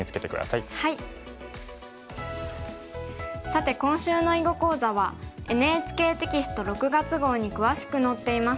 さて今週の囲碁講座はＮＨＫテキスト６月号に詳しく載っています。